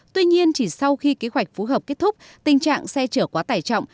tuy nhiên chỉ sau khi kế hoạch phối hợp kết thúc